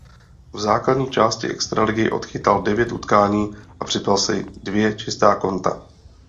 V základní části extraligy odchytal devět utkání a připsal si dvě čistá konta.